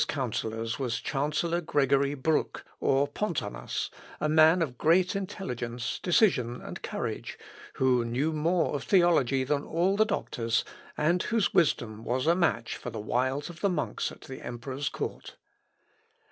One of the Elector's counsellors was Chancellor Gregory Bruck, or Pontanus, a man of great intelligence, decision, and courage, who knew more of theology than all the doctors, and whose wisdom was a match for the wiles of the monks at the emperor's court.